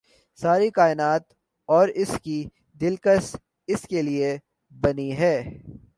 ساری کائنات اور اس کی دلکشی اس کے لیے بنی ہے